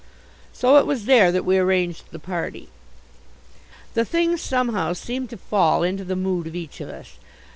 So it was there that we arranged the party. The thing somehow seemed to fall into the mood of each of us.